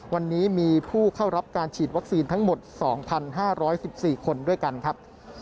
วันนี้มีผู้เข้ารับการฉีดวัคซีนทั้งหมด๒๕๑๔คนด้วยกันครับ